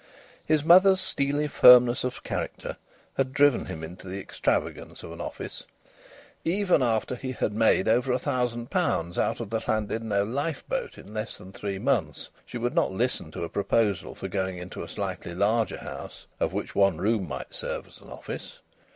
His mother's steely firmness of character had driven him into the extravagance of an office. Even after he had made over a thousand pounds out of the Llandudno lifeboat in less than three months, she would not listen to a proposal for going into a slightly larger house, of which one room might serve as an office.